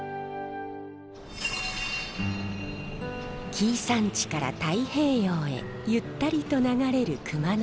紀伊山地から太平洋へゆったりと流れる熊野川。